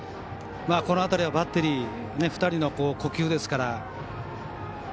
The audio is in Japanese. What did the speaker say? この辺りはバッテリー２人の呼吸ですから。